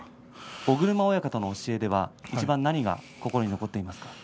尾車親方の教えではいちばん何が心に残っていますか。